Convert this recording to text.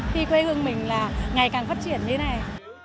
khi quê hương mình là ngày càng phát triển như thế này